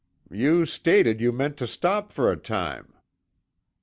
"You stated you meant to stop for a time."